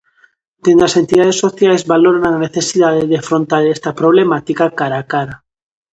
Dende as entidades sociais valoran a necesidade de afrontar esta problemática cara a cara.